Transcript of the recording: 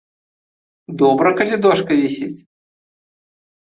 Добра, калі дошка вісіць.